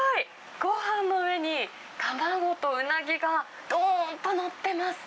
ごはんの上に、卵とウナギがどーんと載ってます。